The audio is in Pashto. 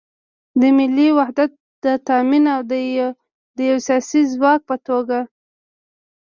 د ملي وحدت د تامین او د یو سیاسي ځواک په توګه